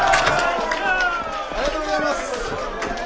ありがとうございます。